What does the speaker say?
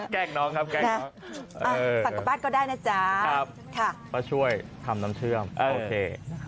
แกล้งน้องครับแกล้งน้องสั่งกลับบ้านก็ได้นะจ๊ะครับป้าช่วยทำน้ำเชื่อมโอเค